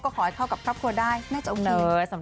ก็ขอให้เข้ากับครอบครัวได้น่าจะโอเค